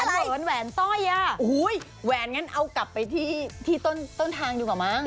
หวันวาลึงหวันส้อยอ่ะอู้หฮึไหวนงั้นเอากลับไปที่ตี่ต้นทางดีกว่ามั้ง